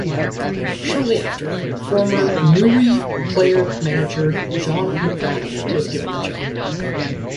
Shortly after, former Newry player-manager John McDonnell was given the job.